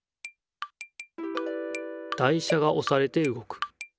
台車がおされてうごく。